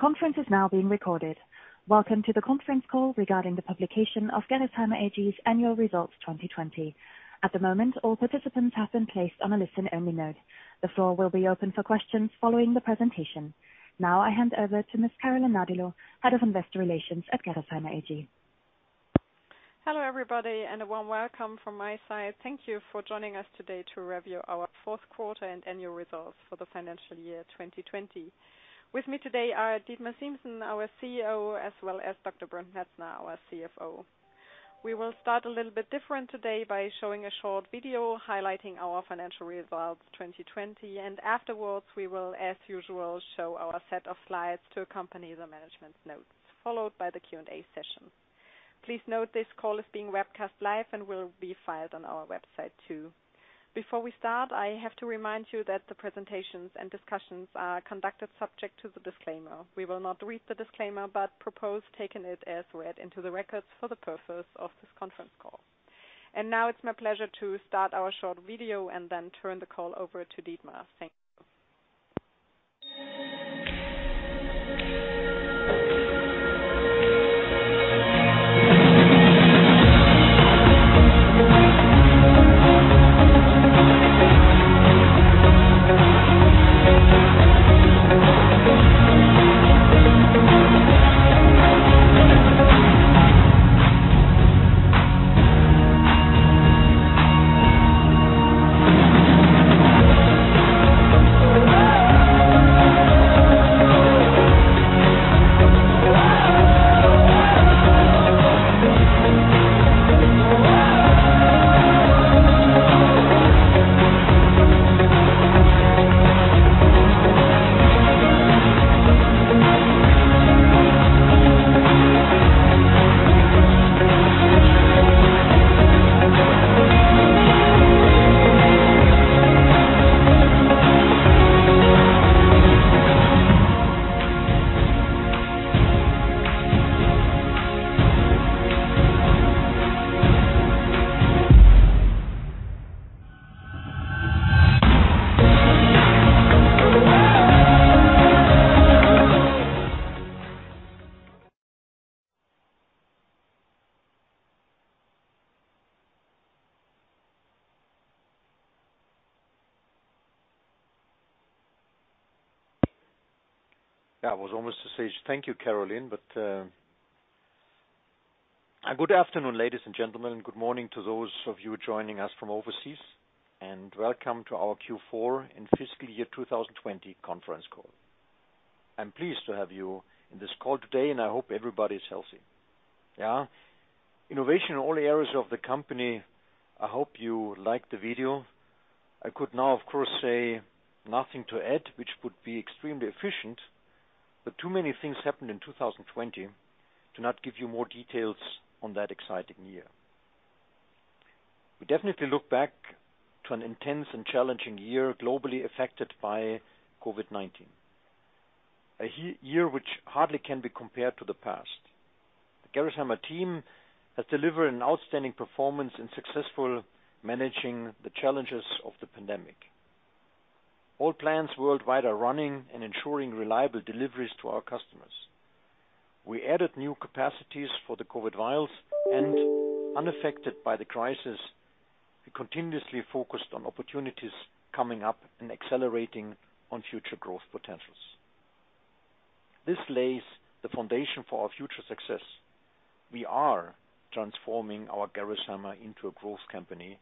Welcome to the conference call regarding the publication of Gerresheimer AG's annual results 2020. Now I hand over to Ms. Carolin Nadilo, head of investor relations at Gerresheimer AG. Hello, everybody, and a warm welcome from my side. Thank you for joining us today to review our fourth quarter and annual results for the financial year 2020. With me today are Dietmar Siemssen, our CEO, as well as Dr. Bernd Metzner, our CFO. We will start a little bit different today by showing a short video highlighting our financial results 2020. Afterwards, we will, as usual, show our set of slides to accompany the management notes, followed by the Q&A session. Please note this call is being webcast live and will be filed on our website too. Before we start, I have to remind you that the presentations and discussions are conducted subject to the disclaimer. We will not read the disclaimer. We propose taking it as read into the records for the purpose of this conference call. Now it's my pleasure to start our short video and then turn the call over to Dietmar. Thank you. I was almost to say thank you, Carolin. Good afternoon, ladies and gentlemen. Good morning to those of you joining us from overseas, welcome to our Q4 and fiscal year 2020 conference call. I'm pleased to have you on this call today, I hope everybody's healthy. Innovation in all areas of the company. I hope you like the video. I could now, of course, say nothing to add, which would be extremely efficient, too many things happened in 2020 to not give you more details on that exciting year. We definitely look back to an intense and challenging year, globally affected by COVID-19. A year which hardly can be compared to the past. The Gerresheimer team has delivered an outstanding performance in successfully managing the challenges of the pandemic. All plants worldwide are running and ensuring reliable deliveries to our customers. We added new capacities for the COVID-19 vials and, unaffected by the crisis, we continuously focused on opportunities coming up and accelerating on future growth potentials. This lays the foundation for our future success. We are transforming our Gerresheimer into a growth company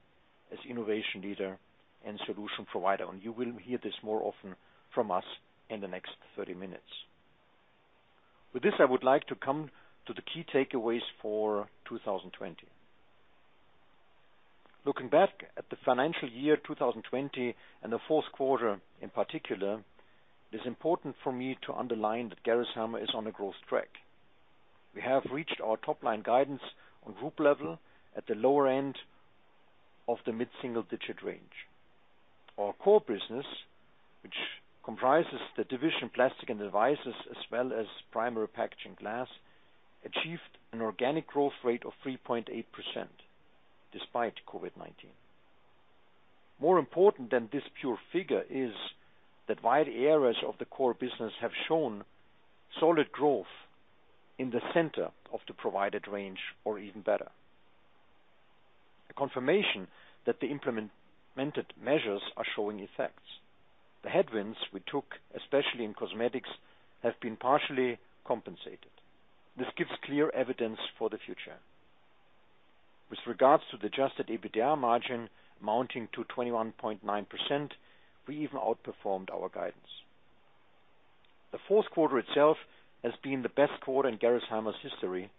as innovation leader and solution provider, and you will hear this more often from us in the next 30 minutes. With this, I would like to come to the key takeaways for 2020. Looking back at the financial year 2020 and the fourth quarter in particular, it is important for me to underline that Gerresheimer is on a growth track. We have reached our top-line guidance on group level at the lower end of the mid-single-digit range. Our core business, which comprises the division Plastics and Devices, as well as Primary Packaging Glass, achieved an organic growth rate of 3.8%, despite COVID-19. More important than this pure figure is that wide areas of the core business have shown solid growth in the center of the provided range, or even better. A confirmation that the implemented measures are showing effects. The headwinds we took, especially in cosmetics, have been partially compensated. This gives clear evidence for the future. With regards to the adjusted EBITDA margin mounting to 21.9%, we even outperformed our guidance. The fourth quarter itself has been the best quarter in Gerresheimer's history,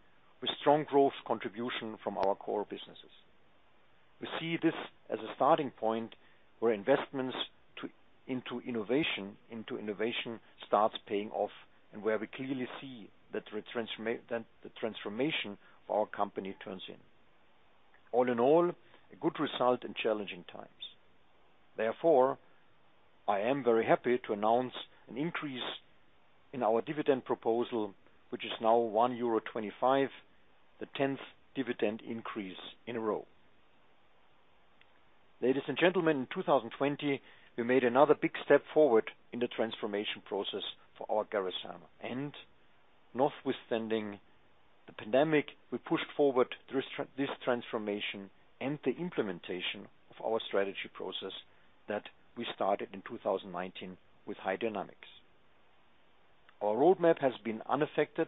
with strong growth contribution from our core businesses. We see this as a starting point where investments into innovation starts paying off and where we clearly see that the transformation of our company turns in. All in all, a good result in challenging times. Therefore, I am very happy to announce an increase in our dividend proposal, which is now 1.25 euro, the tenth dividend increase in a row. Ladies and gentlemen, in 2020, we made another big step forward in the transformation process for our Gerresheimer. Notwithstanding the pandemic, we pushed forward this transformation and the implementation of our strategy process that we started in 2019 with high dynamics. Our roadmap has been unaffected.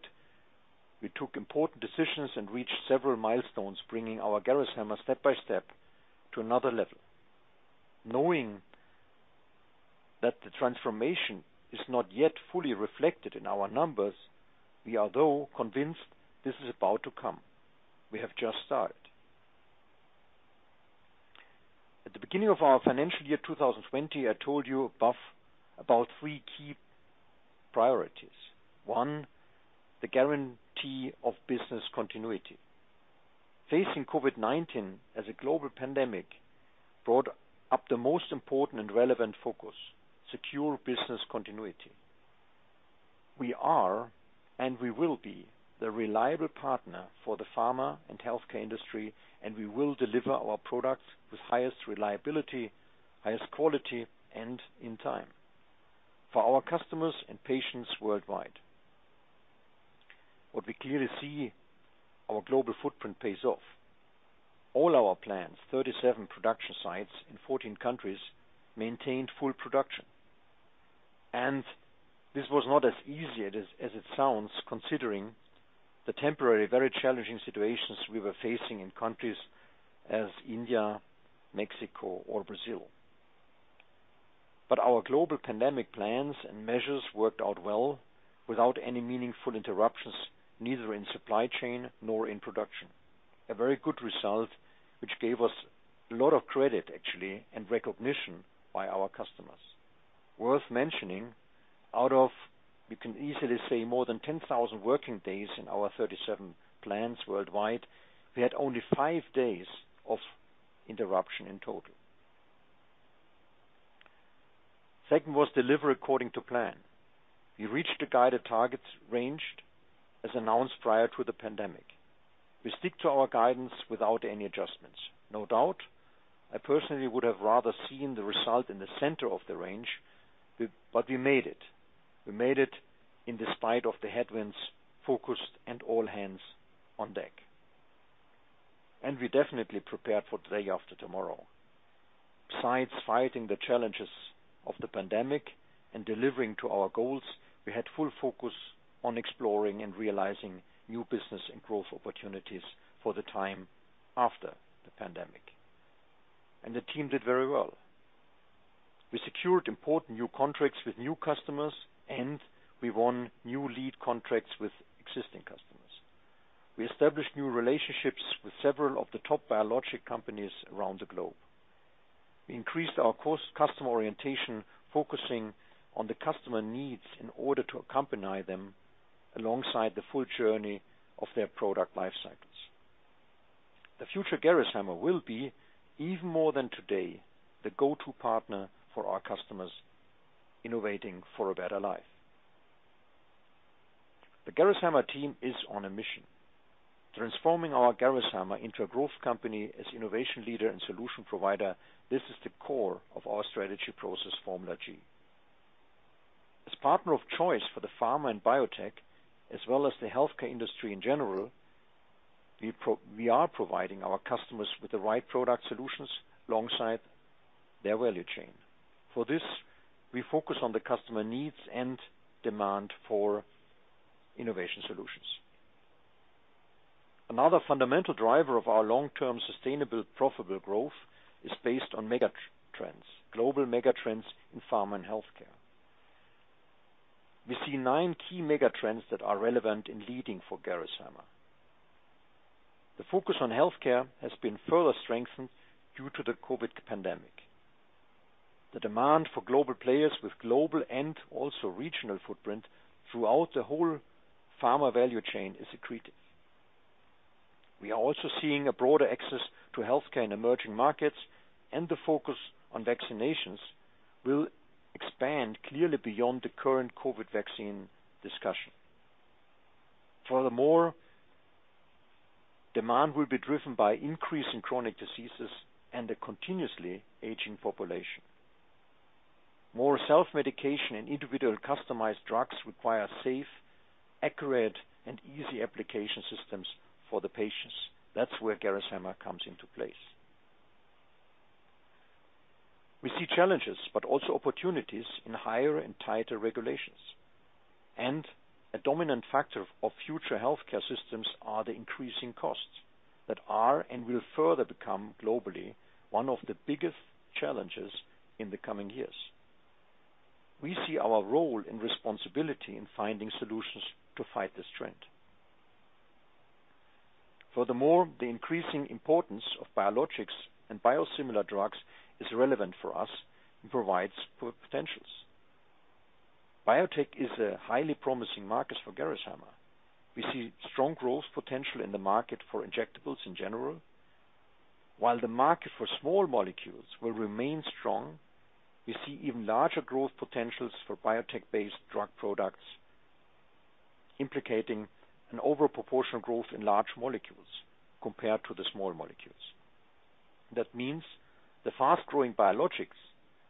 We took important decisions and reached several milestones, bringing our Gerresheimer step by step to another level. Knowing that the transformation is not yet fully reflected in our numbers, we are, though, convinced this is about to come. We have just started. At the beginning of our financial year 2020, I told you about three key priorities. One, the guarantee of business continuity. Facing COVID-19 as a global pandemic brought up the most important and relevant focus, secure business continuity. We are and we will be the reliable partner for the pharma and healthcare industry, and we will deliver our products with highest reliability, highest quality, and in time for our customers and patients worldwide. What we clearly see, our global footprint pays off. All our plants, 37 production sites in 14 countries, maintained full production. This was not as easy as it sounds, considering the temporary, very challenging situations we were facing in countries as India, Mexico, or Brazil. Our global pandemic plans and measures worked out well without any meaningful interruptions, neither in supply chain nor in production. A very good result, which gave us a lot of credit, actually, and recognition by our customers. Worth mentioning, out of, we can easily say more than 10,000 working days in our 37 plants worldwide, we had only five days of interruption in total. Second was deliver according to plan. We reached the guided targets ranged as announced prior to the pandemic. We stick to our guidance without any adjustments. No doubt, I personally would have rather seen the result in the center of the range, but we made it. We made it in despite of the headwinds, focused and all hands on deck. We definitely prepared for the day after tomorrow. Besides fighting the challenges of the pandemic and delivering to our goals, we had full focus on exploring and realizing new business and growth opportunities for the time after the pandemic. The team did very well. We secured important new contracts with new customers, and we won new lead contracts with existing customers. We established new relationships with several of the top biologic companies around the globe. We increased our customer orientation, focusing on the customer needs in order to accompany them alongside the full journey of their product life cycles. The future Gerresheimer will be, even more than today, the go-to partner for our customers innovating for a better life. The Gerresheimer team is on a mission, transforming our Gerresheimer into a growth company as innovation leader and solution provider. This is the core of our strategy process, Formula G. As partner of choice for the pharma and biotech, as well as the healthcare industry in general, we are providing our customers with the right product solutions alongside their value chain. For this, we focus on the customer needs and demand for innovation solutions. Another fundamental driver of our long-term sustainable, profitable growth is based on megatrends, global megatrends in pharma and healthcare. We see nine key megatrends that are relevant in leading for Gerresheimer. The focus on healthcare has been further strengthened due to the COVID pandemic. The demand for global players with global and also regional footprint throughout the whole pharma value chain is accretive. We are also seeing a broader access to healthcare in emerging markets, and the focus on vaccinations will expand clearly beyond the current COVID vaccine discussion. Demand will be driven by increase in chronic diseases and a continuously aging population. More self-medication and individual customized drugs require safe, accurate, and easy application systems for the patients. That's where Gerresheimer comes into place. We see challenges, but also opportunities in higher and tighter regulations. A dominant factor of future healthcare systems are the increasing costs that are and will further become globally one of the biggest challenges in the coming years. We see our role and responsibility in finding solutions to fight this trend. Furthermore, the increasing importance of biologics and biosimilar drugs is relevant for us and provides potentials. Biotech is a highly promising market for Gerresheimer. We see strong growth potential in the market for injectables in general. While the market for small molecules will remain strong, we see even larger growth potentials for biotech-based drug products, implicating an over-proportional growth in large molecules compared to the small molecules. That means the fast-growing biologics,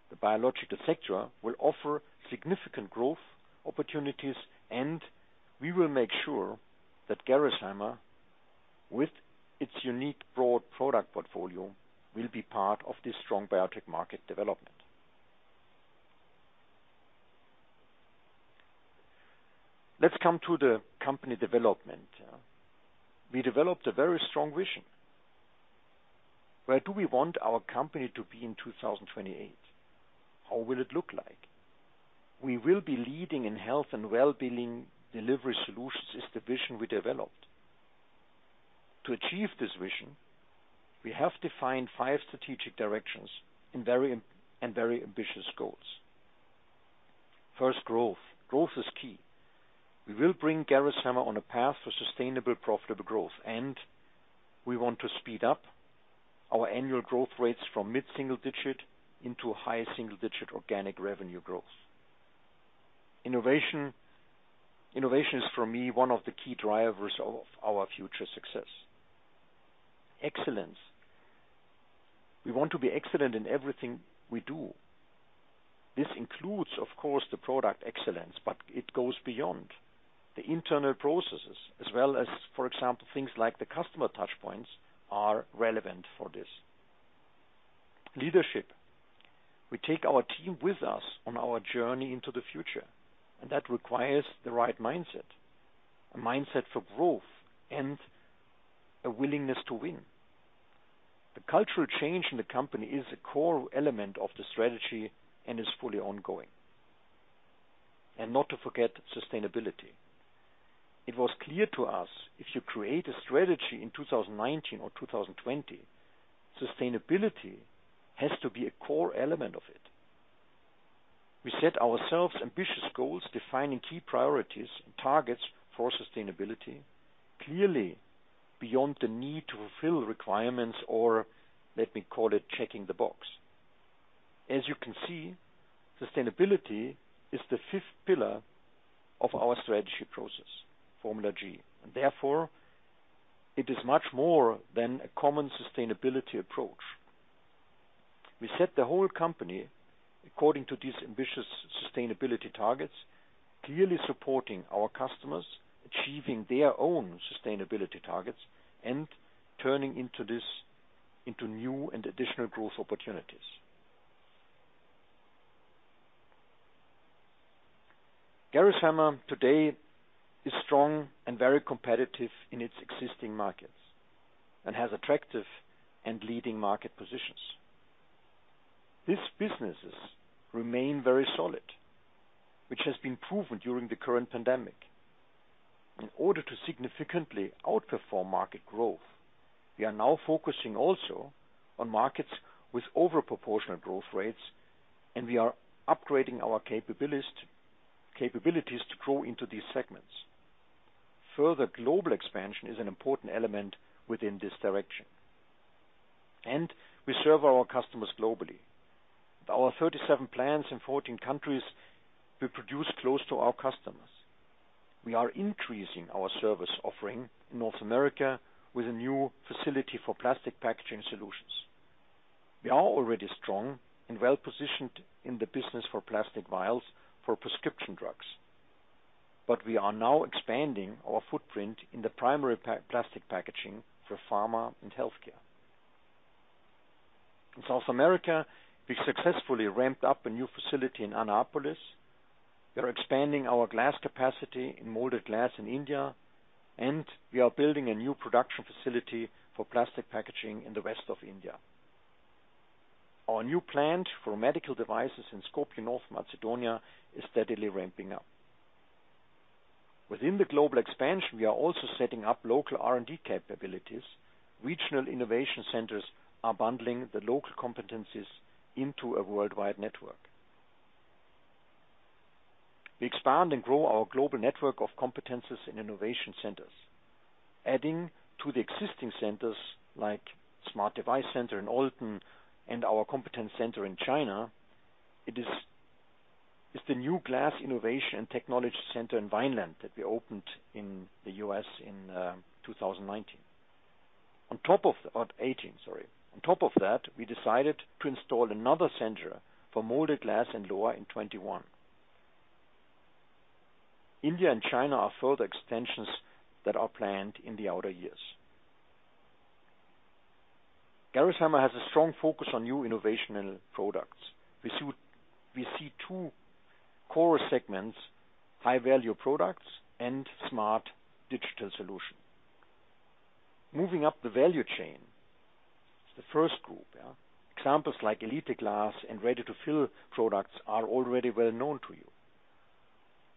the biological sector, will offer significant growth opportunities, and we will make sure that Gerresheimer, with its unique broad product portfolio, will be part of this strong biotech market development. Let's come to the company development. We developed a very strong vision. Where do we want our company to be in 2028? How will it look like? We will be leading in health and well-being delivery solutions, is the vision we developed. To achieve this vision, we have defined five strategic directions and very ambitious goals. First, growth. Growth is key. We will bring Gerresheimer on a path for sustainable, profitable growth, and we want to speed up our annual growth rates from mid-single digit into a high single-digit organic revenue growth. Innovation. Innovation is, for me, one of the key drivers of our future success. Excellence. We want to be excellent in everything we do. This includes, of course, the product excellence, but it goes beyond. The internal processes as well as, for example, things like the customer touchpoints are relevant for this. Leadership. We take our team with us on our journey into the future, and that requires the right mindset. A mindset for growth and a willingness to win. The cultural change in the company is a core element of the strategy and is fully ongoing. Not to forget, sustainability. It was clear to us, if you create a strategy in 2019 or 2020, sustainability has to be a core element of it. We set ourselves ambitious goals, defining key priorities and targets for sustainability, clearly beyond the need to fulfill requirements, or let me call it checking the box. As you can see, sustainability is the fifth pillar of our strategy process, Formula G. Therefore, it is much more than a common sustainability approach. We set the whole company according to these ambitious sustainability targets, clearly supporting our customers, achieving their own sustainability targets and turning into new and additional growth opportunities. Gerresheimer today is strong and very competitive in its existing markets and has attractive and leading market positions. These businesses remain very solid, which has been proven during the current pandemic. In order to significantly outperform market growth, we are now focusing also on markets with over proportional growth rates, and we are upgrading our capabilities to grow into these segments. Further global expansion is an important element within this direction. We serve our customers globally. With our 37 plants in 14 countries, we produce close to our customers. We are increasing our service offering in North America with a new facility for plastic packaging solutions. We are already strong and well-positioned in the business for plastic vials for prescription drugs. We are now expanding our footprint in the primary plastic packaging for pharma and healthcare. In South America, we successfully ramped up a new facility in Anápolis. We are expanding our glass capacity in molded glass in India, and we are building a new production facility for plastic packaging in the west of India. Our new plant for medical devices in Skopje, North Macedonia, is steadily ramping up. Within the global expansion, we are also setting up local R&D capabilities. Regional innovation centers are bundling the local competencies into a worldwide network. We expand and grow our global network of competencies and innovation centers. Adding to the existing centers like Smart Device Center in Olten and our competence center in China, is the new Gx Glass Innovation and Technology Center in Vineland that we opened in the U.S. in 2019. On top of 2018, sorry. On top of that, we decided to install another center for molded glass in Lohr in 2021. India and China are further extensions that are planned in the outer years. Gerresheimer has a strong focus on new innovation and products. We see two core segments: high-value products and smart digital solution. Moving up the value chain is the first group. Examples like Elite glass and ready-to-fill products are already well known to you.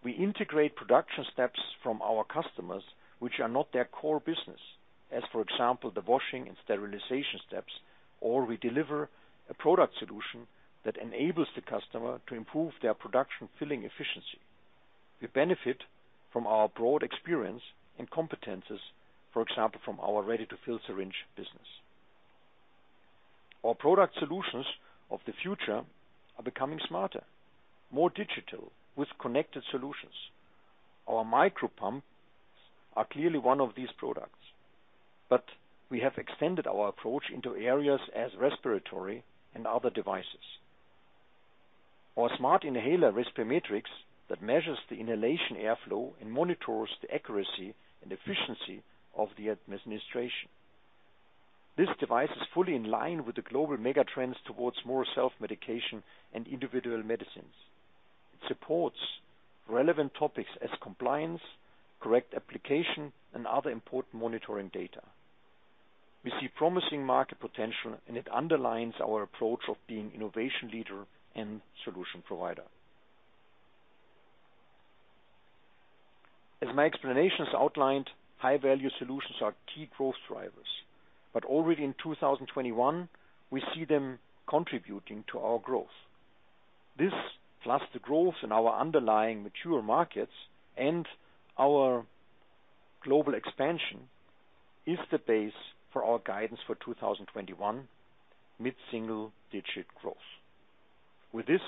We integrate production steps from our customers, which are not their core business. As for example, the washing and sterilization steps, or we deliver a product solution that enables the customer to improve their production filling efficiency. We benefit from our broad experience and competencies, for example, from our ready-to-fill syringe business. Our product solutions of the future are becoming smarter, more digital, with connected solutions. Our micro pumps are clearly one of these products, but we have extended our approach into areas as respiratory and other devices. Our smart inhaler, Respimetrix, that measures the inhalation airflow and monitors the accuracy and efficiency of the administration. This device is fully in line with the global mega trends towards more self-medication and individual medicines. It supports relevant topics as compliance, correct application, and other important monitoring data. We see promising market potential, and it underlines our approach of being innovation leader and solution provider. As my explanations outlined, high-value solutions are key growth drivers. Already in 2021, we see them contributing to our growth. This, plus the growth in our underlying mature markets and our global expansion, is the base for our guidance for 2021, mid-single digit growth. With this,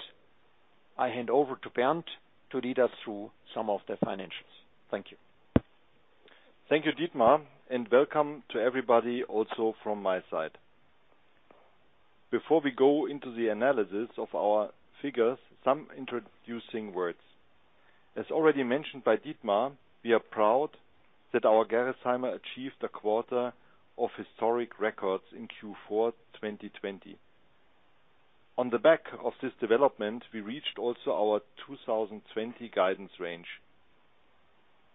I hand over to Bernd to lead us through some of the financials. Thank you. Thank you, Dietmar. Welcome to everybody also from my side. Before we go into the analysis of our figures, some introducing words. As already mentioned by Dietmar, we are proud that our Gerresheimer achieved a quarter of historic records in Q4 2020. On the back of this development, we reached also our 2020 guidance range.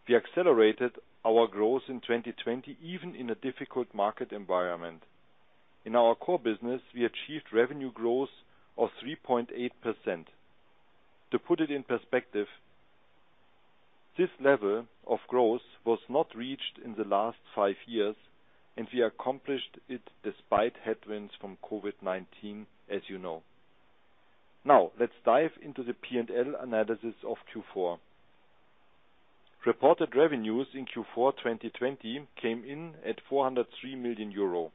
We accelerated our growth in 2020, even in a difficult market environment. In our core business, we achieved revenue growth of 3.8%. To put it in perspective, this level of growth was not reached in the last five years, and we accomplished it despite headwinds from COVID-19, as you know. Now, let's dive into the P&L analysis of Q4. Reported revenues in Q4 2020 came in at 403 million euro.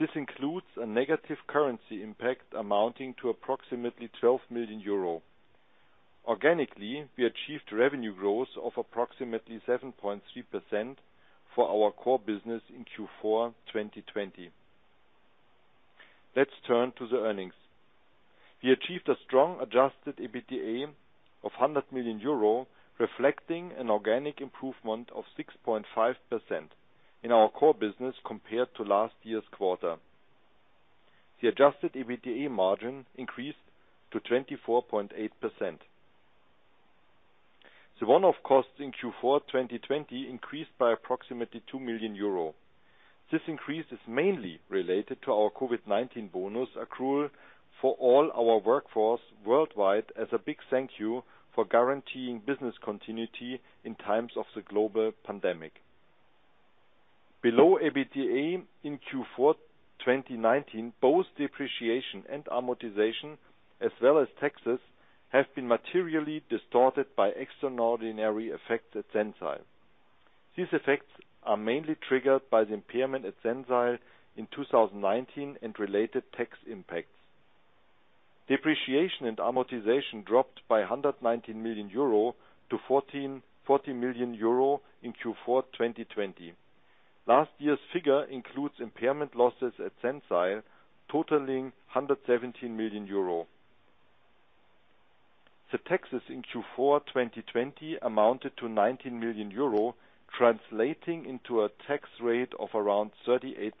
This includes a negative currency impact amounting to approximately 12 million euro. Organically, we achieved revenue growth of approximately 7.3% for our core business in Q4 2020. Let's turn to the earnings. We achieved a strong adjusted EBITDA of 100 million euro, reflecting an organic improvement of 6.5% in our core business compared to last year's quarter. The adjusted EBITDA margin increased to 24.8%. The one-off costs in Q4 2020 increased by approximately 2 million euro. This increase is mainly related to our COVID-19 bonus accrual for all our workforce worldwide as a big thank you for guaranteeing business continuity in times of the global pandemic. Below EBITDA in Q4 2019, both depreciation and amortization, as well as taxes, have been materially distorted by extraordinary effects at Sensile. These effects are mainly triggered by the impairment at Sensile in 2019 and related tax impacts. Depreciation and amortization dropped by 119 million euro to 40 million euro in Q4 2020. Last year's figure includes impairment losses at Sensile totaling 117 million euro. The taxes in Q4 2020 amounted to 19 million euro, translating into a tax rate of around 38%.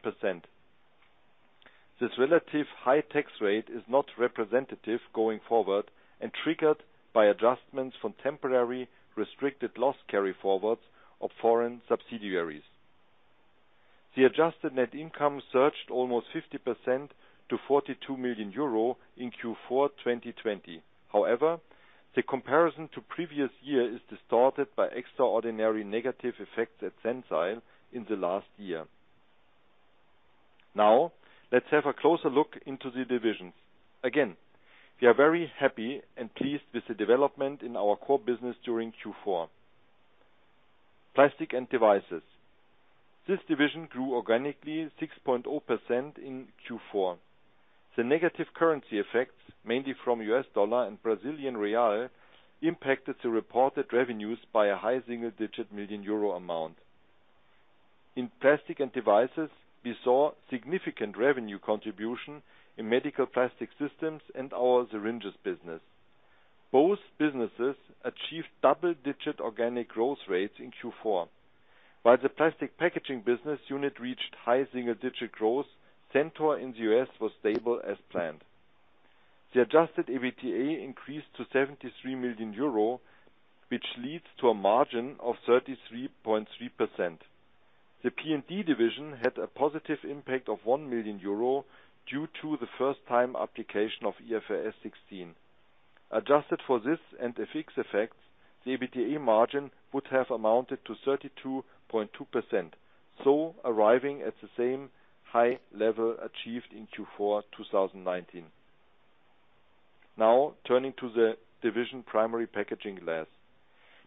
This relative high tax rate is not representative going forward and triggered by adjustments from temporary restricted loss carry-forwards of foreign subsidiaries. The adjusted net income surged almost 50% to 42 million euro in Q4 2020. The comparison to previous year is distorted by extraordinary negative effects at Sensile in the last year. Let's have a closer look into the divisions. We are very happy and pleased with the development in our core business during Q4. Plastics and Devices. This division grew organically 6.0% in Q4. The negative currency effects, mainly from U.S. dollar and Brazilian real, impacted the reported revenues by a high single-digit million EUR amount. In Plastics and Devices, we saw significant revenue contribution in medical plastic systems and our syringes business. Both businesses achieved double-digit organic growth rates in Q4. While the plastic packaging business unit reached high single-digit growth, Centor in the U.S. was stable as planned. The adjusted EBITDA increased to 73 million euro, which leads to a margin of 33.3%. The P&D division had a positive impact of 1 million euro due to the first-time application of IFRS 16. Adjusted for this and the fixed effects, the EBITDA margin would have amounted to 32.2%, arriving at the same high level achieved in Q4 2019. Turning to the division Primary Packaging Glass.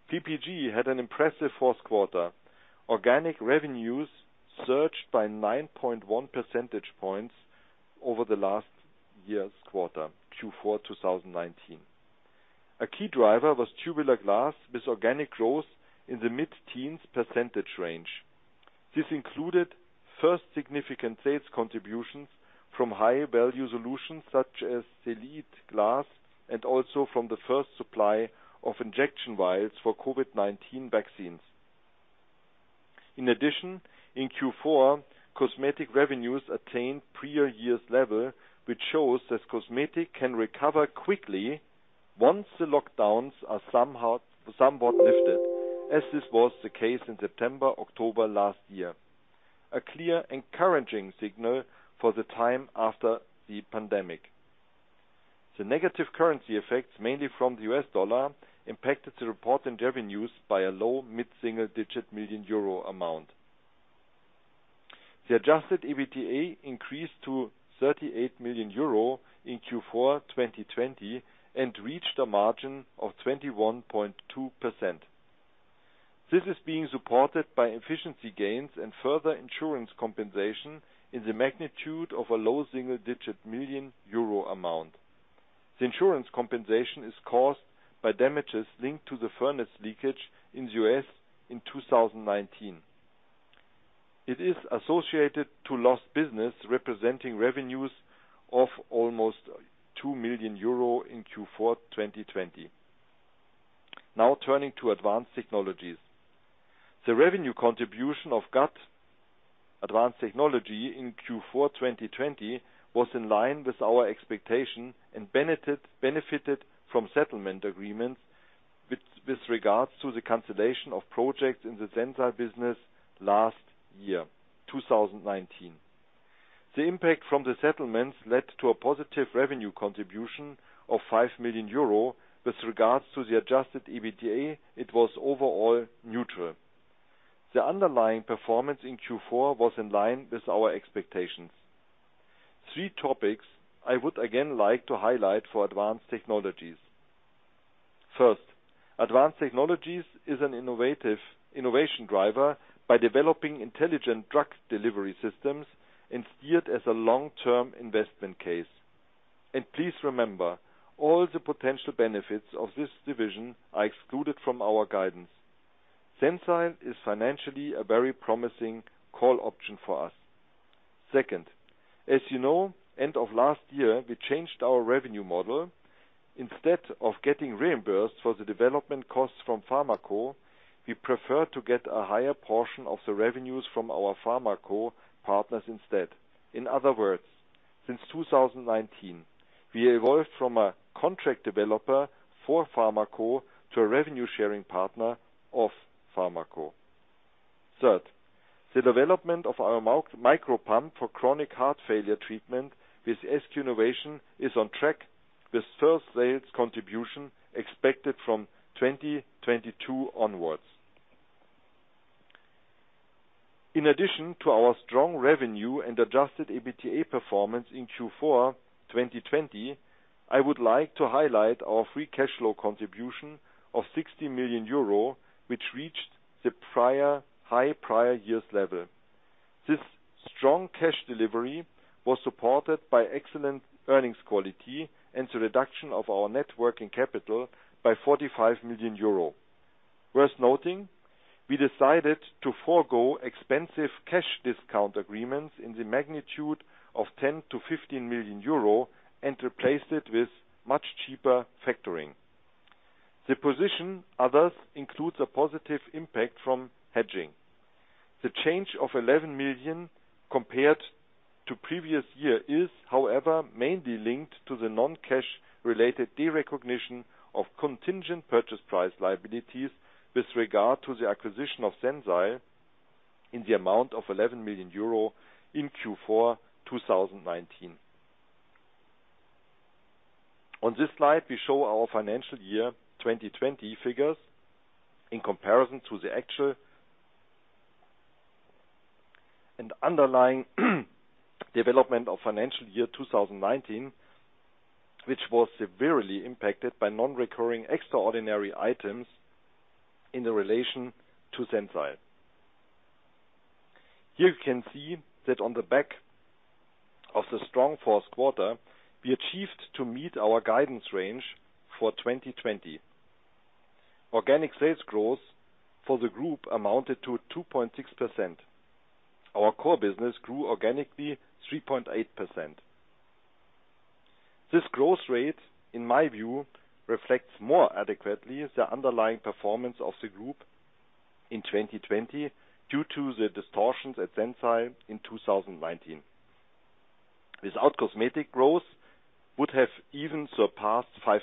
PPG had an impressive fourth quarter. Organic revenues surged by 9.1 percentage points over the last year's quarter, Q4 2019. A key driver was tubular glass with organic growth in the mid-teens percentage range. This included first significant sales contributions from high-value solutions such as Elite glass and also from the first supply of injection vials for COVID-19 vaccines. In Q4, cosmetic revenues attained prior year's level, which shows that cosmetic can recover quickly once the lockdowns are somewhat lifted, as this was the case in September, October last year. A clear encouraging signal for the time after the pandemic. The negative currency effects, mainly from the U.S. dollar, impacted the report and revenues by a low mid-single digit million EUR amount. The adjusted EBITDA increased to 38 million euro in Q4 2020 and reached a margin of 21.2%. This is being supported by efficiency gains and further insurance compensation in the magnitude of a low single-digit million EUR amount. The insurance compensation is caused by damages linked to the furnace leakage in the U.S. in 2019. It is associated to lost business representing revenues of almost 2 million euro in Q4 2020. Turning to Advanced Technologies. The revenue contribution of GAT, Advanced Technology in Q4 2020 was in line with our expectation and benefited from settlement agreements with regards to the cancellation of projects in the Sensile business last year, 2019. The impact from the settlements led to a positive revenue contribution of 5 million euro. With regards to the adjusted EBITDA, it was overall neutral. The underlying performance in Q4 was in line with our expectations. Three topics I would again like to highlight for Advanced Technologies. First, Advanced Technologies is an innovation driver by developing intelligent drug delivery systems and steered as a long-term investment case. Please remember, all the potential benefits of this division are excluded from our guidance. Sensile is financially a very promising call option for us. Second, as you know, end of last year, we changed our revenue model. Instead of getting reimbursed for the development costs from pharma co, we prefer to get a higher portion of the revenues from our pharma co partners instead. In other words, since 2019, we evolved from a contract developer for pharma co to a revenue-sharing partner of pharma co. Third, the development of our micro pumps for chronic heart failure treatment with SQ Innovation is on track with first sales contribution expected from 2022 onwards. In addition to our strong revenue and adjusted EBITDA performance in Q4 2020, I would like to highlight our free cash flow contribution of 60 million euro, which reached the high prior year's level. This strong cash delivery was supported by excellent earnings quality and the reduction of our net working capital by 45 million euro. Worth noting, we decided to forgo expensive cash discount agreements in the magnitude of 10 million-15 million euro and replaced it with much cheaper factoring. The position, others, includes a positive impact from hedging. The change of 11 million compared to previous year is, however, mainly linked to the non-cash-related derecognition of contingent purchase price liabilities with regard to the acquisition of Sensile in the amount of 11 million euro in Q4 2019. On this slide, we show our financial year 2020 figures in comparison to the actual and underlying development of financial year 2019, which was severely impacted by non-recurring extraordinary items in the relation to Sensile. Here you can see that on the back of the strong fourth quarter, we achieved to meet our guidance range for 2020. Organic sales growth for the group amounted to 2.6%. Our core business grew organically 3.8%. This growth rate, in my view, reflects more adequately the underlying performance of the group in 2020 due to the distortions at Sensile in 2019. Without cosmetic growth would have even surpassed 5%.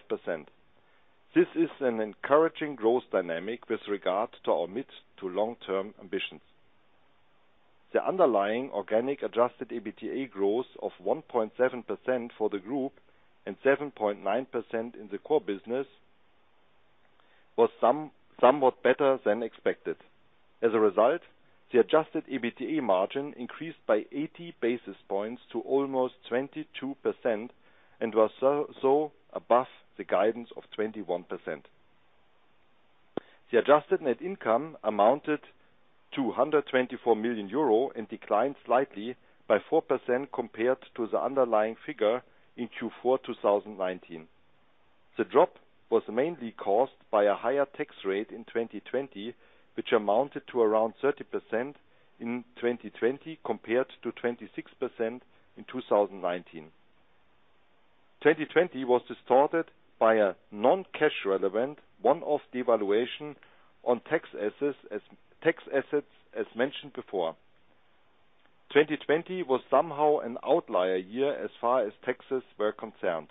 This is an encouraging growth dynamic with regard to our mid to long-term ambitions. The underlying organic adjusted EBITDA growth of 1.7% for the group and 7.9% in the core business. It was somewhat better than expected. As a result, the adjusted EBITDA margin increased by 80 basis points to almost 22% and was also above the guidance of 21%. The adjusted net income amounted to 124 million euro and declined slightly by 4% compared to the underlying figure in Q4 2019. The drop was mainly caused by a higher tax rate in 2020, which amounted to around 30% in 2020, compared to 26% in 2019. 2020 was distorted by a non-cash relevant one-off devaluation on tax assets, as mentioned before. 2020 was somehow an outlier year as far as taxes were concerned.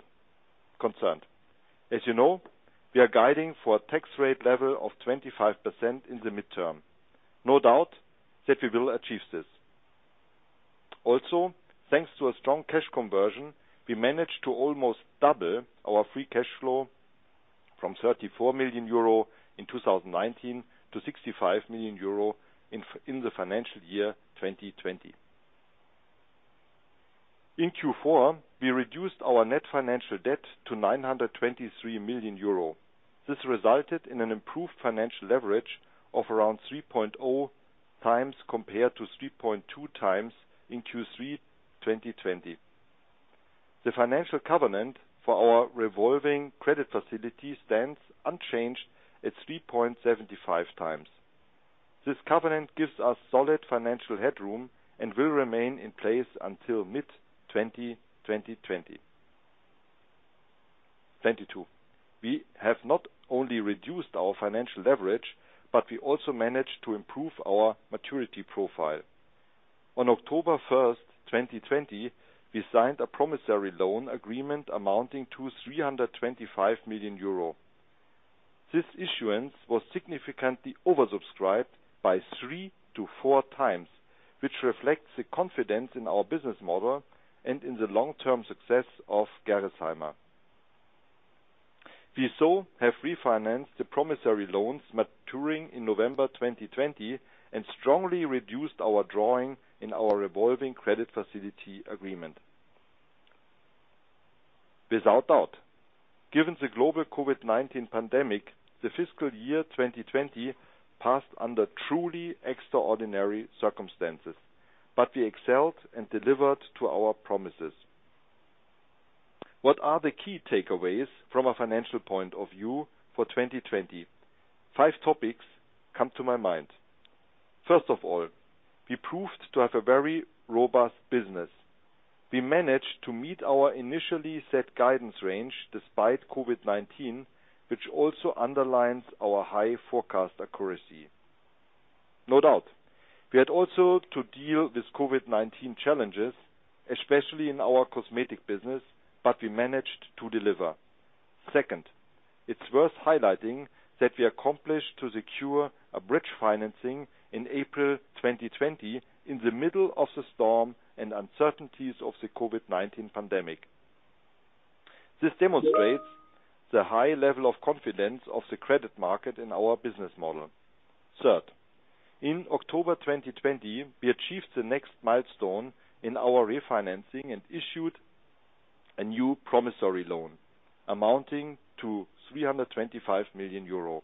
As you know, we are guiding for a tax rate level of 25% in the midterm. No doubt that we will achieve this. Also, thanks to a strong cash conversion, we managed to almost double our free cash flow from 34 million euro in 2019 to 65 million euro in the financial year 2020. In Q4, we reduced our net financial debt to 923 million euro. This resulted in an improved financial leverage of around 3.0 times compared to 3.2 times in Q3 2020. The financial covenant for our revolving credit facility stands unchanged at 3.75 times. This covenant gives us solid financial headroom and will remain in place until mid-2022. We have not only reduced our financial leverage, but we also managed to improve our maturity profile. On October 1st, 2020, we signed a promissory loan agreement amounting to 325 million euro. This issuance was significantly oversubscribed by three to four times, which reflects the confidence in our business model and in the long-term success of Gerresheimer. We have refinanced the promissory loans maturing in November 2020 and strongly reduced our drawing in our revolving credit facility agreement. Without doubt, given the global COVID-19 pandemic, the fiscal year 2020 passed under truly extraordinary circumstances. We excelled and delivered to our promises. What are the key takeaways from a financial point of view for 2020? Five topics come to my mind. First of all, we proved to have a very robust business. We managed to meet our initially set guidance range despite COVID-19, which also underlines our high forecast accuracy. We had also to deal with COVID-19 challenges, especially in our cosmetic business. We managed to deliver. It's worth highlighting that we accomplished to secure a bridge financing in April 2020 in the middle of the storm and uncertainties of the COVID-19 pandemic. This demonstrates the high level of confidence of the credit market in our business model. In October 2020, we achieved the next milestone in our refinancing and issued a new promissory loan amounting to 325 million euro.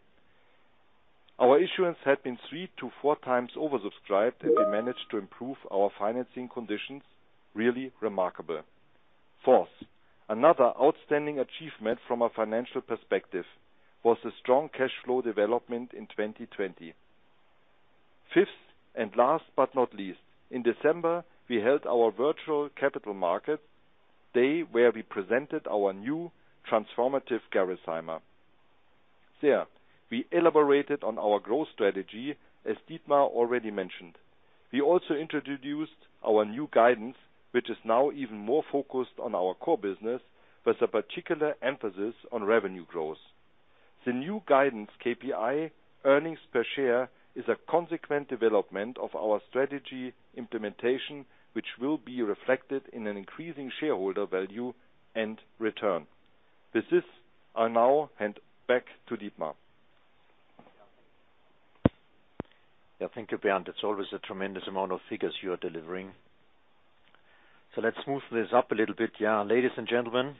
Our issuance had been three to four times oversubscribed. We managed to improve our financing conditions. Really remarkable. Another outstanding achievement from a financial perspective was the strong cash flow development in 2020. Fifth and last, but not least, in December, we held our virtual capital markets day where we presented our new transformative Gerresheimer. There we elaborated on our growth strategy, as Dietmar already mentioned. We also introduced our new guidance, which is now even more focused on our core business, with a particular emphasis on revenue growth. The new guidance KPI, earnings per share, is a consequent development of our strategy implementation, which will be reflected in an increasing shareholder value and return. With this, I now hand back to Dietmar. Yeah, thank you, Bernd. It's always a tremendous amount of figures you are delivering. Let's smooth this up a little bit. Yeah. Ladies and gentlemen,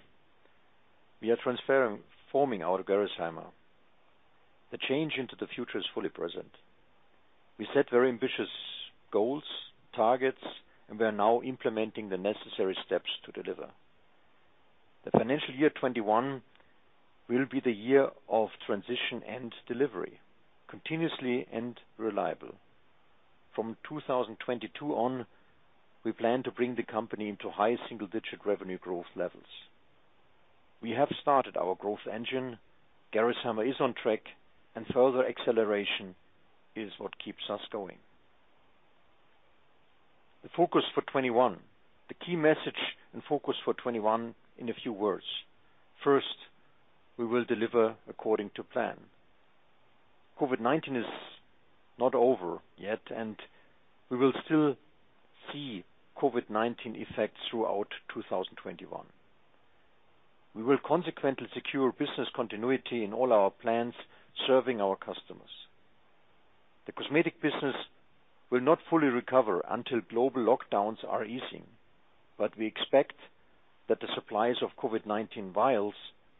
we are transforming our Gerresheimer. The change into the future is fully present. We set very ambitious goals, targets, and we are now implementing the necessary steps to deliver. The financial year 2021 will be the year of transition and delivery, continuously and reliably. From 2022 on, we plan to bring the company into high single-digit revenue growth levels. We have started our growth engine. Gerresheimer is on track, and further acceleration is what keeps us going. The focus for 2021. The key message and focus for 2021 in a few words. First, we will deliver according to plan. COVID-19 is not over yet, and we will still see COVID-19 effects throughout 2021. We will consequently secure business continuity in all our plans serving our customers. The cosmetic business will not fully recover until global lockdowns are easing, but we expect that the supplies of COVID-19 vials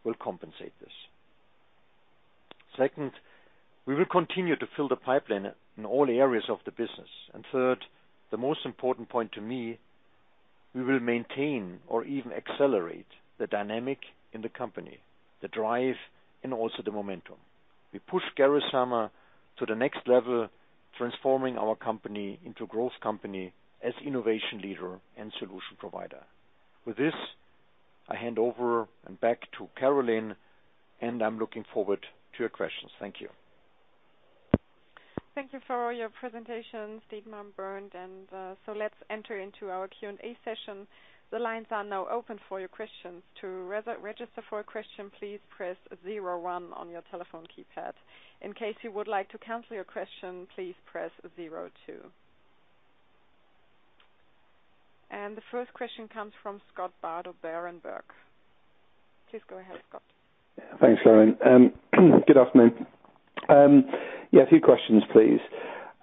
will compensate this. We will continue to fill the pipeline in all areas of the business. Third, the most important point to me, we will maintain or even accelerate the dynamic in the company, the drive, and also the momentum. We push Gerresheimer to the next level, transforming our company into growth company as innovation leader and solution provider. With this, I hand over and back to Carolin, and I'm looking forward to your questions. Thank you. Thank you for your presentation, Dietmar and Bernd. Let's enter into our Q&A session. The lines are now open for your questions. To register for a question, please press zero one on your telephone keypad. In case you would like to cancel your question, please press zero two. The first question comes from Scott Bardo of Berenberg. Please go ahead, Scott. Thanks, Carolin. Good afternoon. Yeah, a few questions, please.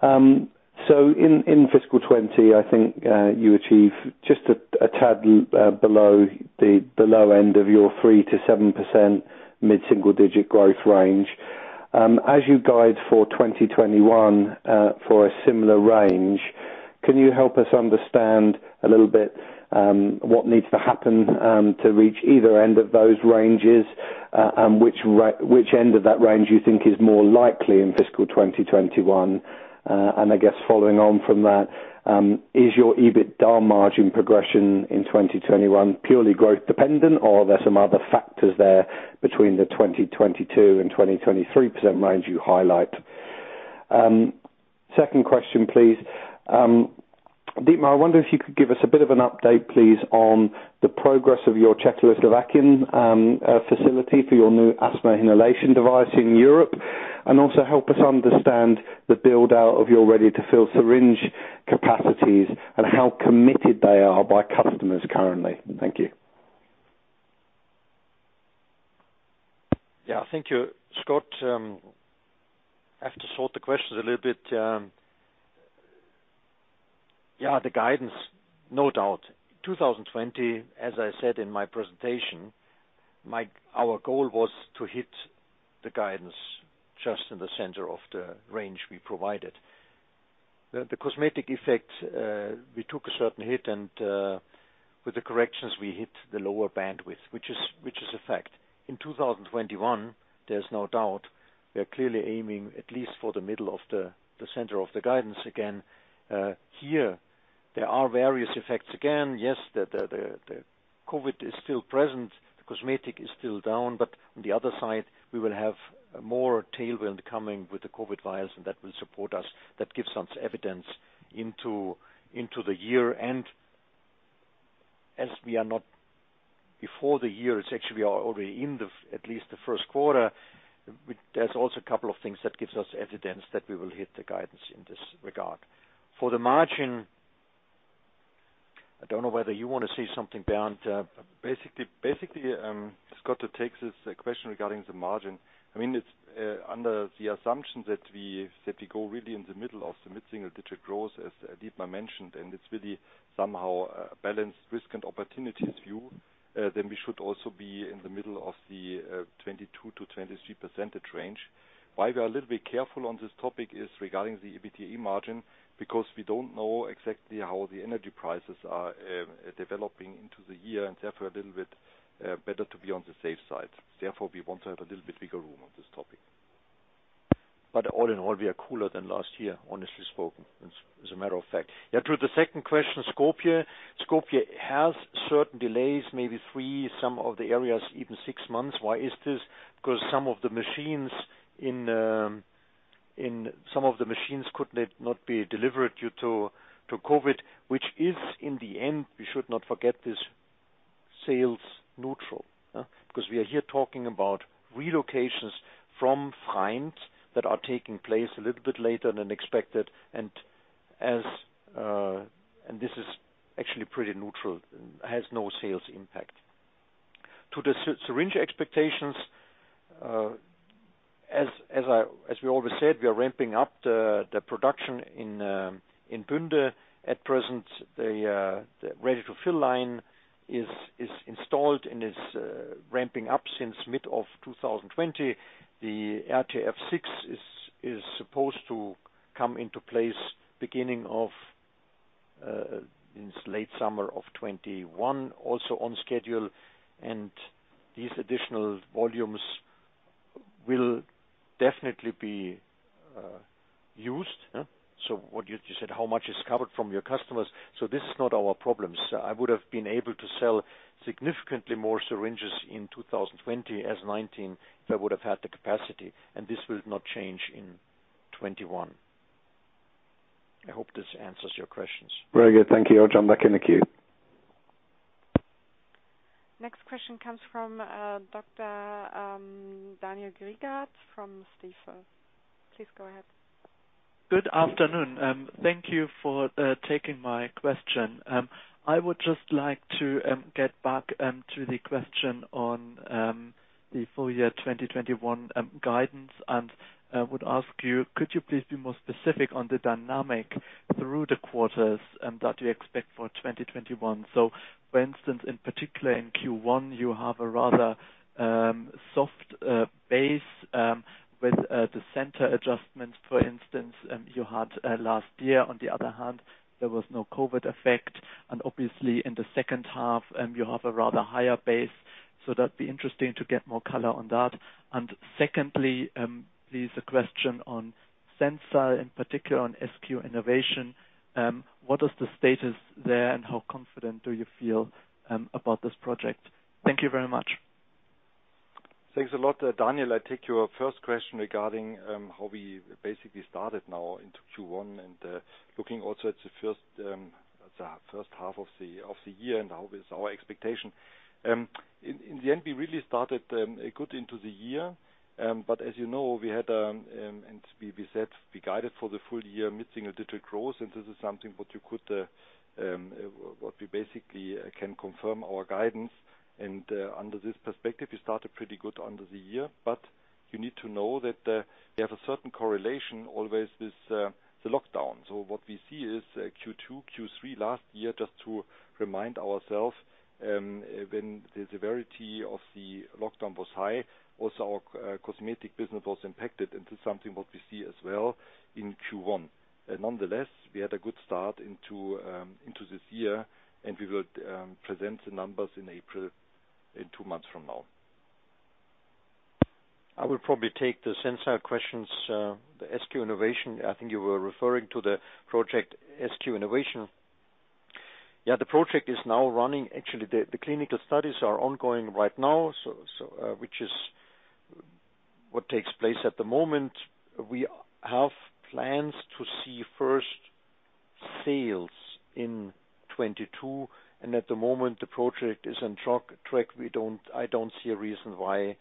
In fiscal 2020, I think you achieved just a tad below the low end of your 3%-7% mid-single digit growth range. As you guide for 2021, for a similar range, can you help us understand a little bit, what needs to happen to reach either end of those ranges? Which end of that range you think is more likely in fiscal 2021? I guess following on from that, is your EBITDA margin progression in 2021 purely growth dependent or are there some other factors there between the 20%, 22% and 23% range you highlight? Second question, please. Dietmar, I wonder if you could give us a bit of an update, please, on the progress of your Czech facility for your new asthma inhalation device in Europe, and also help us understand the build-out of your ready-to-fill syringe capacities and how committed they are by customers currently. Thank you. Thank you, Scott. The guidance, no doubt, 2020, as I said in my presentation, our goal was to hit the guidance just in the center of the range we provided. The cosmetic effect, we took a certain hit and, with the corrections, we hit the lower bandwidth, which is a fact. In 2021, there's no doubt we are clearly aiming at least for the middle of the center of the guidance again. Here, there are various effects again. Yes, the COVID is still present. The cosmetic is still down. On the other side, we will have more tailwind coming with the COVID vials, and that will support us. That gives us evidence into the year. As we are not before the year, it's actually, we are already in at least the first quarter, there's also a couple of things that gives us evidence that we will hit the guidance in this regard. For the margin, I don't know whether you want to say something, Bernd. Basically, Scott, to take this question regarding the margin, it's under the assumption that we go really in the middle of the mid-single digit growth, as Dietmar mentioned, and it's really somehow a balanced risk and opportunities view. We should also be in the middle of the 22%-23% range. Why we are a little bit careful on this topic is regarding the EBITDA margin because we don't know exactly how the energy prices are developing into the year, and therefore, a little bit better to be on the safe side. Therefore, we want to have a little bit bigger room on this topic. All in all, we are cooler than last year, honestly spoken, as a matter of fact. To the second question, Skopje. Skopje has certain delays, maybe three, some of the areas even six months. Why is this? Because some of the machines could not be delivered due to COVID, which is in the end, we should not forget this, sales neutral. We are here talking about relocations from clients that are taking place a little bit later than expected, and this is actually pretty neutral, has no sales impact. To the syringe expectations, as we always said, we are ramping up the production in Bünde. At present, the ready-to-fill line is installed and is ramping up since mid of 2020. The RTF six is supposed to come into place beginning of late summer of 2021, also on schedule, and these additional volumes will definitely be used. What you said, how much is covered from your customers. This is not our problem. I would have been able to sell significantly more syringes in 2020 as 2019, if I would have had the capacity, and this will not change in 2021. I hope this answers your questions. Very good. Thank you. I'll jump back in the queue. Next question comes from Dr. Daniel Grigat from Stifel. Please go ahead. Good afternoon. Thank you for taking my question. I would just like to get back to the question on the full year 2021 guidance. I would ask you, could you please be more specific on the dynamic through the quarters that you expect for 2021? For instance, in particular in Q1, you have a rather soft base with the Centor adjustments, for instance, you had last year. On the other hand, there was no COVID effect, and obviously in the second half, you have a rather higher base. That'd be interesting to get more color on that. Secondly, please, a question on Sensile Medical, in particular on SQ Innovation. What is the status there, and how confident do you feel about this project? Thank you very much. Thanks a lot, Daniel. I take your first question regarding how we basically started now into Q1 and looking also at the first half of the year and how is our expectation. In the end, we really started good into the year. As you know, and we said we guided for the full year missing a little growth, and this is something what we basically can confirm our guidance. Under this perspective, we started pretty good under the year, but you need to know that we have a certain correlation always with the lockdown. What we see is Q2, Q3 last year, just to remind ourselves, when the severity of the lockdown was high, also our cosmetic business was impacted, and this is something what we see as well in Q1. Nonetheless, we had a good start into this year. We will present the numbers in April, in two months from now. I will probably take the Sensile questions, the SQ Innovation. I think you were referring to the project SQ Innovation. Yeah, the project is now running. Actually, the clinical studies are ongoing right now, which is what takes place at the moment. We have plans to see first sales in 2022, and at the moment the project is on track. I don't see a reason why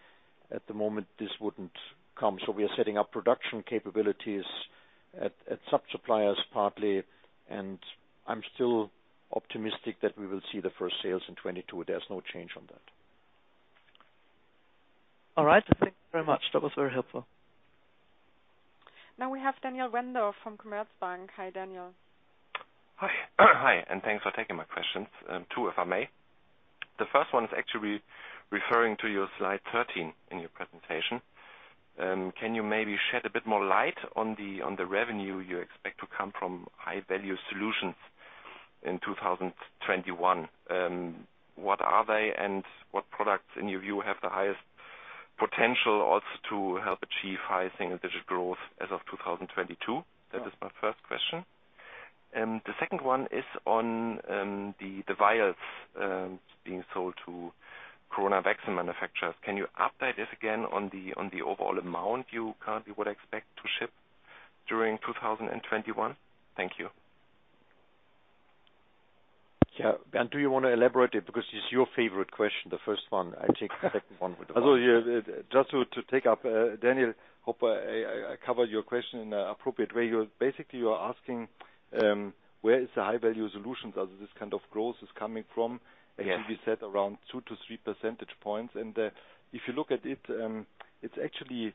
at the moment this wouldn't come. We are setting up production capabilities at sub-suppliers partly, and I'm still optimistic that we will see the first sales in 2022. There's no change on that. All right. Thank you very much. That was very helpful. Now we have Daniel Redondo from Commerzbank. Hi, Daniel. Hi, and thanks for taking my questions. Two, if I may. The first one is actually referring to your slide 13 in your presentation. Can you maybe shed a bit more light on the revenue you expect to come from high-value solutions in 2021? What are they and what products in your view have the highest potential also to help achieve high single-digit growth as of 2022? That is my first question. The second one is on the vials being sold to coronavirus vaccine manufacturers. Can you update us again on the overall amount you currently would expect to ship during 2021? Thank you. Yeah. Bernd, you want to elaborate it because it's your favorite question, the first one. I take the second one with the vials. Just to take up, Daniel, hope I covered your question in an appropriate way. Basically, you are asking where is the high-value solutions as this kind of growth is coming from. Yes. As we said, around two to three percentage points. If you look at it's actually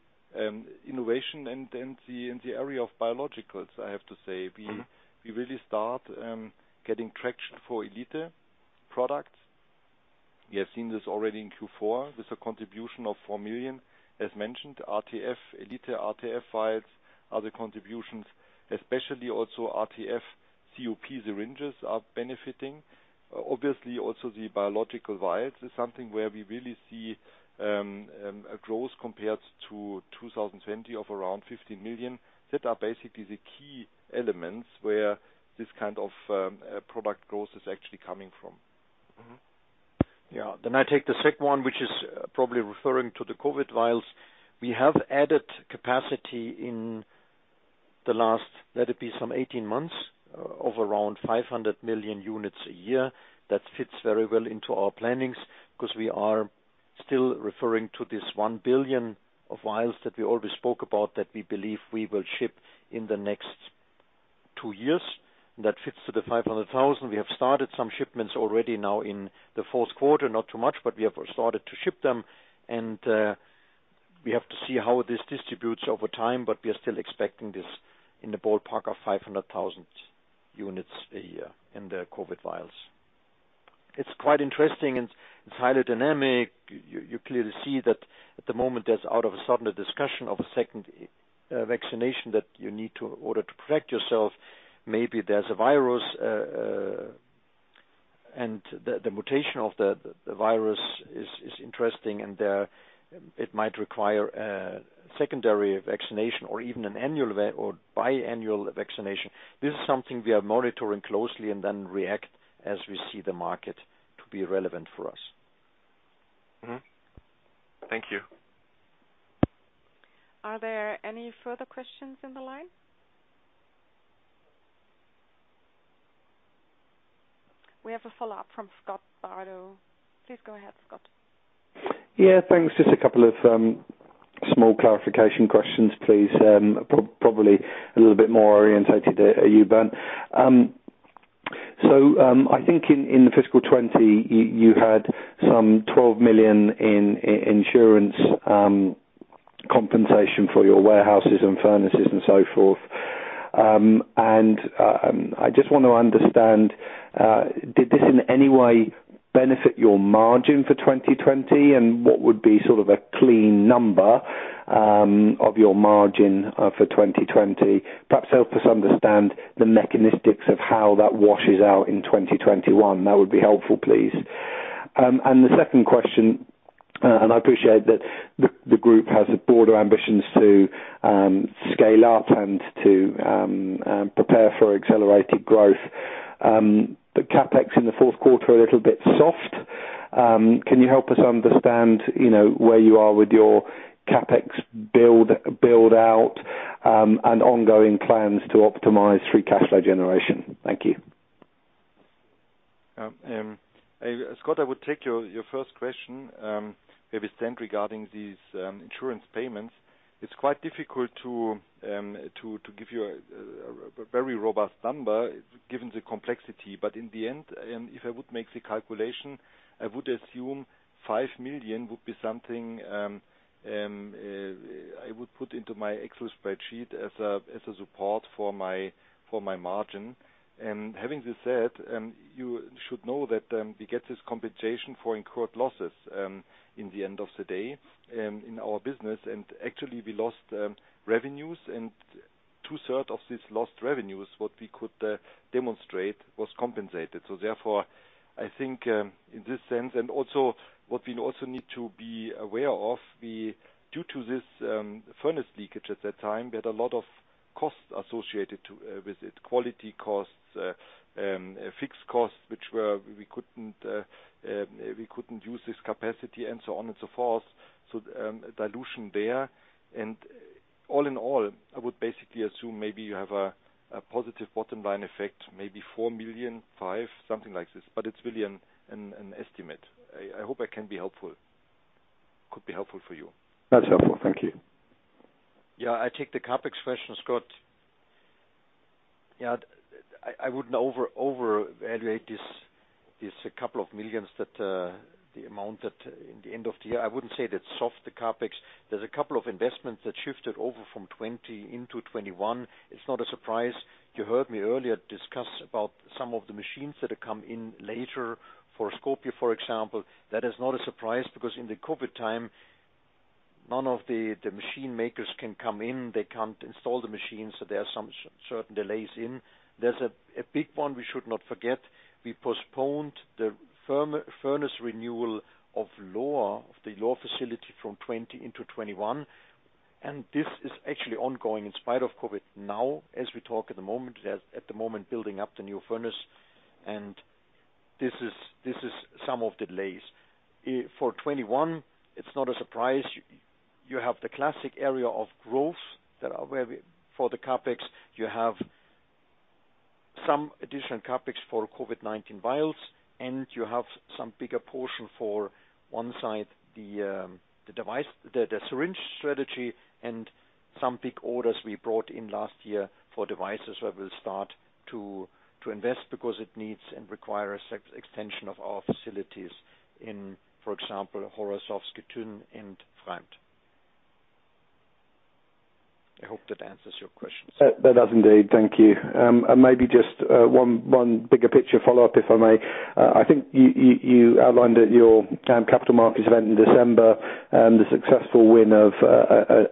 innovation in the area of biologicals, I have to say. We really start getting traction for Elite products. We have seen this already in Q4 with a contribution of 4 million, as mentioned, RTF, Elite RTF vials, other contributions, especially also RTF COP syringes are benefiting. Obviously also the biological vials is something where we really see a growth compared to 2020 of around 15 million. That are basically the key elements where this kind of product growth is actually coming from. I take the second one, which is probably referring to the COVID vials. We have added capacity in the last, let it be some 18 months of around 500 million units a year. That fits very well into our plannings because we are still referring to this one billion of vials that we always spoke about that we believe we will ship in the next two years. That fits to the 500,000. We have started some shipments already now in the fourth quarter, not too much, but we have started to ship them. We have to see how this distributes over time, but we are still expecting this in the ballpark of 500,000 units a year in the COVID vials. It's quite interesting and it's highly dynamic. You clearly see that at the moment there's out of a sudden a discussion of a second vaccination that you need in order to protect yourself. Maybe there's a virus, and the mutation of the virus is interesting, and it might require a secondary vaccination or even an annual or biannual vaccination. This is something we are monitoring closely and then react as we see the market to be relevant for us. Thank you. Are there any further questions in the line? We have a follow-up from Scott Bardo. Please go ahead, Scott. Thanks. Just a couple of small clarification questions, please. Probably a little bit more orientated at you, Bernd. I think in the fiscal 2020, you had some 12 million in insurance compensation for your warehouses and furnaces and so forth. I just want to understand, did this in any way benefit your margin for 2020? What would be sort of a clean number of your margin for 2020? Perhaps help us understand the mechanistics of how that washes out in 2021. That would be helpful, please. The second question, I appreciate that the group has broader ambitions to scale up and to prepare for accelerated growth. The CapEx in the fourth quarter a little bit soft. Can you help us understand where you are with your CapEx build out and ongoing plans to optimize free cash flow generation? Thank you. Scott, I would take your first question. Maybe, regarding these insurance payments, it is quite difficult to give you a very robust number given the complexity. In the end, if I would make the calculation, I would assume 5 million would be something I would put into my Excel spreadsheet as a support for my margin. Having this said, you should know that we get this compensation for incurred losses in the end of the day in our business. Actually, we lost revenues and two-third of this lost revenues, what we could demonstrate was compensated. Therefore, I think in this sense, and also what we also need to be aware of, due to this furnace leakage at that time, we had a lot of costs associated with it, quality costs, fixed costs, which we couldn't use this capacity and so on and so forth. Dilution there. All in all, I would basically assume maybe you have a positive bottom-line effect, maybe 4 million, 5, something like this. It's really an estimate. I hope I can be helpful. Could be helpful for you. That's helpful. Thank you. Yeah. I take the CapEx question, Scott. I wouldn't over evaluate this couple of million EUR that the amount that in the end of the year, I wouldn't say that's soft, the CapEx. There's a couple of investments that shifted over from 2020 into 2021. It's not a surprise. You heard me earlier discuss about some of the machines that are come in later for Skopje, for example. That is not a surprise because in the COVID-19 time, none of the machine makers can come in. They can't install the machines, so there are some certain delays in. There's a big one we should not forget. We postponed the furnace renewal of the Lohr facility from 2020 into 2021. This is actually ongoing in spite of COVID now as we talk. They are at the moment building up the new furnace. This is some of the delays. For 2021, it's not a surprise. You have the classic area of growth that are very for the CapEx. You have some additional CapEx for COVID-19 vials. You have some bigger portion for one side, the syringe strategy and some big orders we brought in last year for devices where we'll start to invest because it needs and requires extension of our facilities in, for example, Horšovský Týn and Pfreimd. I hope that answers your question. That does indeed. Thank you. Maybe just one bigger picture follow-up, if I may. I think you outlined at your capital markets event in December, the successful win of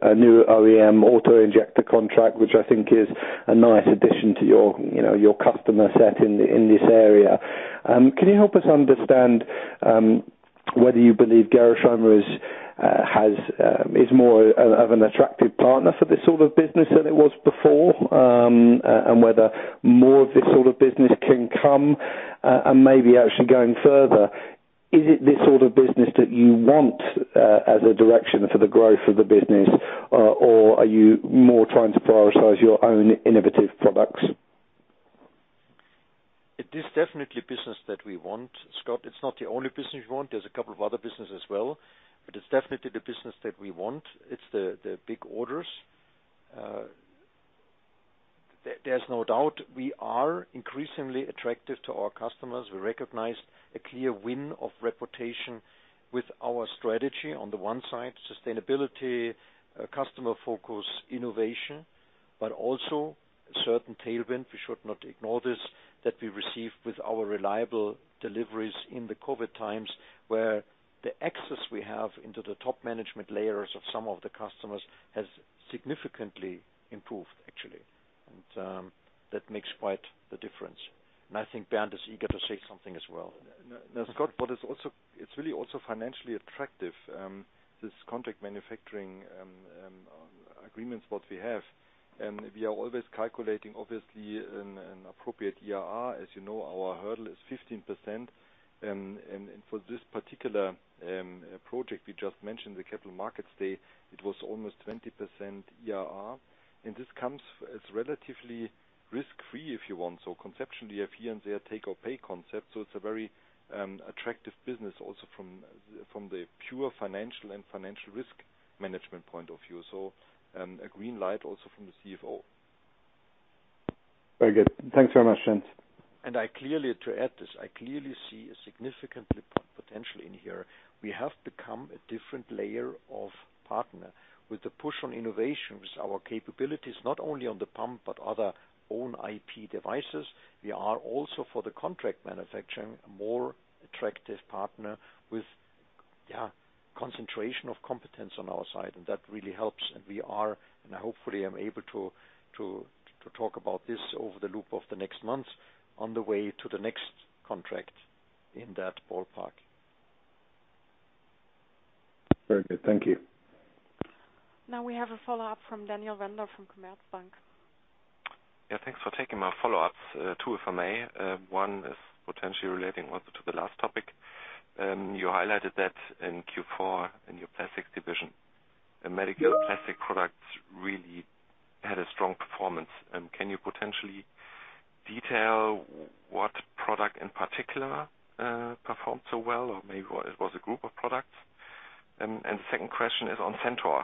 a new OEM auto-injector contract, which I think is a nice addition to your customer set in this area. Can you help us understand whether you believe Gerresheimer is more of an attractive partner for this sort of business than it was before? Whether more of this sort of business can come and maybe actually going further, is it this sort of business that you want as a direction for the growth of the business, or are you more trying to prioritize your own innovative products? It is definitely business that we want, Scott. It is not the only business we want. There is a couple of other business as well, but it is definitely the business that we want. It is the big orders. There is no doubt we are increasingly attractive to our customers. We recognize a clear win of reputation with our strategy on the one side, sustainability, customer focus, innovation, but also a certain tailwind. We should not ignore this, that we receive with our reliable deliveries in the COVID times, where the access we have into the top management layers of some of the customers has significantly improved, actually. That makes quite the difference. I think Bernd is eager to say something as well. Scott, it's really also financially attractive, this contract manufacturing agreements what we have. We are always calculating, obviously, an appropriate IRR. As you know, our hurdle is 15%. For this particular project we just mentioned, the capital markets day, it was almost 20% IRR. This comes as relatively risk-free, if you want. Conceptually, you have here and there take-or-pay concept. It's a very attractive business also from the pure financial and financial risk management point of view. A green light also from the CFO. Very good. Thanks very much, gents. To add this, I clearly see a significant potential in here. We have become a different layer of partner with the push on innovations, our capabilities, not only on the pump, but other own IP devices. We are also for the contract manufacturing, a more attractive partner with concentration of competence on our side, and that really helps. We are, and I hopefully am able to talk about this over the loop of the next month on the way to the next contract in that ballpark. Very good. Thank you. Now we have a follow-up from Daniel Redondo from Commerzbank. Yeah. Thanks for taking my follow-ups. Two, if I may. One is potentially relating also to the last topic. You highlighted that in Q4, in your Plastics division, medical plastic products really had a strong performance. Can you potentially detail what product in particular, performed so well? Maybe it was a group of products? Second question is on Centor.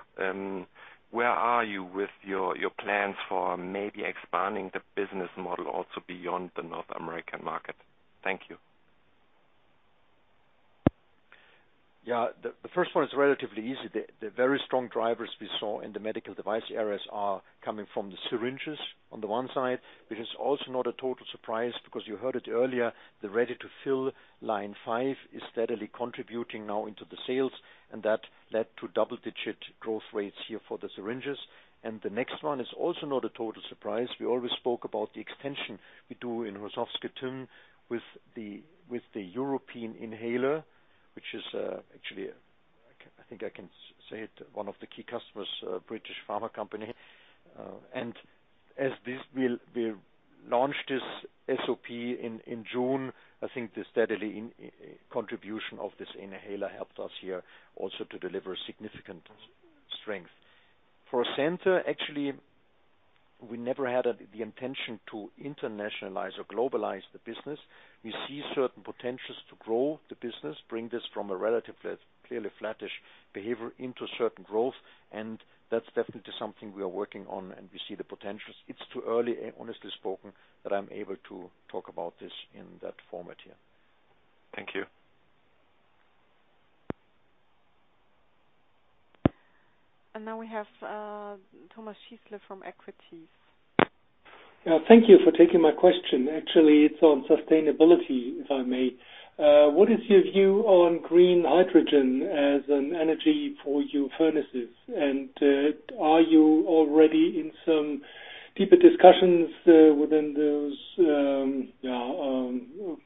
Where are you with your plans for maybe expanding the business model also beyond the North American market? Thank you. The first one is relatively easy. The very strong drivers we saw in the medical device areas are coming from the syringes on the one side, which is also not a total surprise because you heard it earlier, the ready-to-fill line five is steadily contributing now into the sales, and that led to double-digit growth rates here for the syringes. The next one is also not a total surprise. We always spoke about the extension we do in Horšovský Týn, with the European inhaler, which is, actually, I think I can say it, one of the key customers, a British pharma company. As we launch this Start of Production in June, I think the steady contribution of this inhaler helped us here also to deliver significant strength. For Centor, actually, we never had the intention to internationalize or globalize the business. We see certain potentials to grow the business, bring this from a relatively clearly flattish behavior into certain growth, and that's definitely something we are working on, and we see the potentials. It's too early, honestly spoken, that I'm able to talk about this in that format here. Thank you. Now we have Thomas Schiesser from Equities. Thank you for taking my question. Actually, it's on sustainability, if I may. What is your view on green hydrogen as an energy for your furnaces? Are you already in some deeper discussions, within those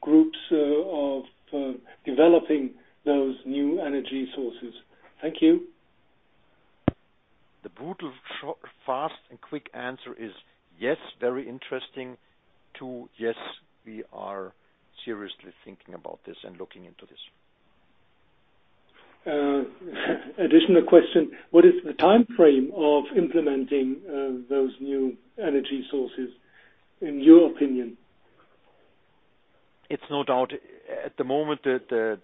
groups of developing those new energy sources? Thank you. The brutal, fast, and quick answer is yes, very interesting to, yes, we are seriously thinking about this and looking into this. Additional question. What is the timeframe of implementing those new energy sources in your opinion? It's no doubt at the moment the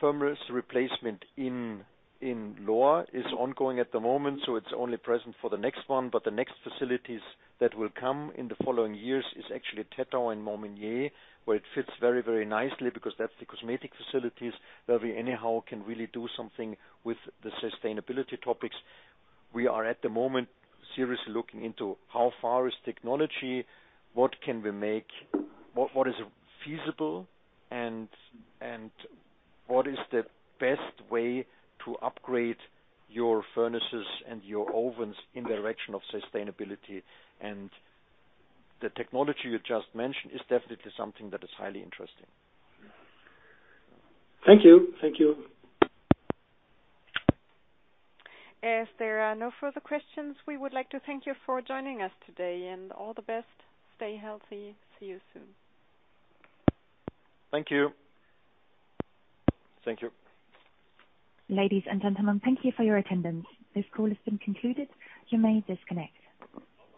furnace replacement in Lohr is ongoing at the moment, so it's only present for the next one, but the next facilities that will come in the following years is actually Tettau and Momignies, where it fits very nicely because that's the cosmetic facilities where we anyhow can really do something with the sustainability topics. We are at the moment seriously looking into how far is technology, what can we make, what is feasible and what is the best way to upgrade your furnaces and your ovens in the direction of sustainability. The technology you just mentioned is definitely something that is highly interesting. Thank you. As there are no further questions, we would like to thank you for joining us today, and all the best. Stay healthy. See you soon. Thank you. Thank you. Ladies and gentlemen, thank you for your attendance. This call has been concluded. You may disconnect.